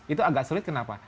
itu agak sulit kenapa